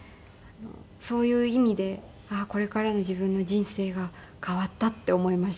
そういう意味でこれからの自分の人生が変わったって思いました。